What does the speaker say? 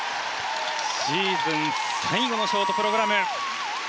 シーズン最後のショートプログラム。